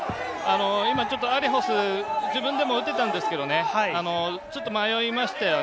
今アレホス、自分でも打てたんですが、ちょっと迷いましたよね。